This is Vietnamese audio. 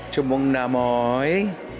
chúc mừng năm mới